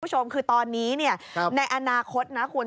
คุณผู้ชมคือตอนนี้ในอนาคตนะคุณ